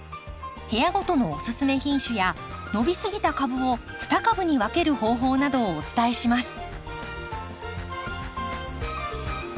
部屋ごとのおすすめ品種や伸びすぎた株を２株に分ける方法などをお伝えします。